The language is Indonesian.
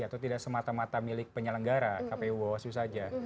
atau tidak semata mata milik penyelenggara kpu bawaslu saja